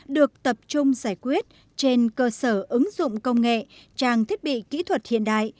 được tập trung giải quyết trên cơ sở ứng dụng công nghệ trang thiết bị kỹ thuật hiện đại